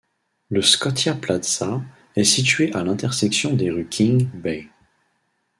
Le Scotia Plaza est situé à l'intersection des rues King, Bay.